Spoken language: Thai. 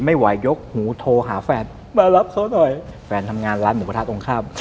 ไม่ไหวยกหูโทรหาแฟนมารับเขาหน่อยแฟนทำงานร้านหมูกระทะตรงข้าม